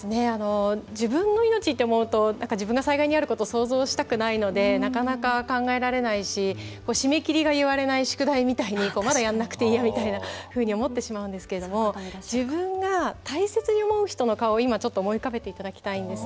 自分の命って思うと自分が災害に遭うことを想像したくないのでなかなか、考えられないし締め切りが言われない宿題みたいにまだやらなくていいなというふうに思ってしまうんですけど自分が大切に思う人の顔を思い浮かべていただきたいんです。